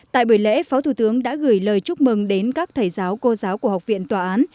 tại buổi lễ phó thủ tướng đã gửi lời chúc mừng đến các thầy giáo cô giáo của học viện tòa án